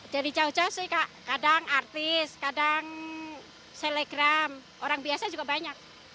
jadi caw caw sih kadang artis kadang selegram orang biasa juga banyak